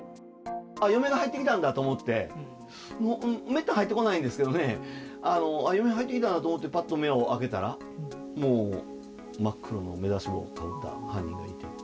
嫁が入ってきたんだと思って、めったに入ってこないんですけどね、あっ、嫁入ってきたなと思って、ぱっと目を開けたら、もう真っ黒の目出し帽をかぶった犯人がいて。